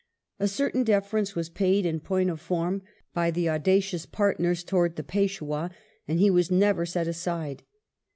A certain deference was paid in point of fonn hy the audacious partners towards the Peishwah, and he was never set aside.